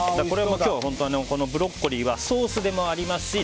これも今日はブロッコリーはソースでもあります